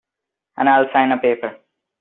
And I'll sign a paper.